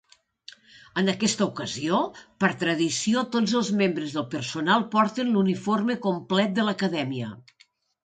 En aquesta ocasió, per tradició tots els membres del personal porten l'uniforme complet de l'acadèmia.